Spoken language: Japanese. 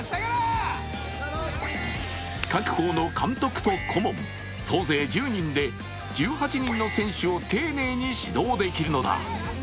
各校の監督と顧問総勢１０人で１８人の選手を丁寧に指導できるのだ。